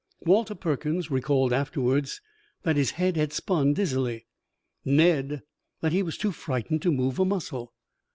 Walter Perkins recalled afterwards that his head had spun dizzily, Ned that he was too frightened to move a muscle.